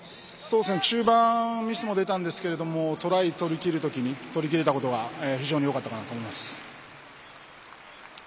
中盤ミスも出たんですがトライを取りきれたことが非常によかったかなと思います。